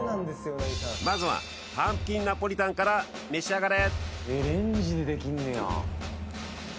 まずはパンプキンナポリタンから召し上がれ！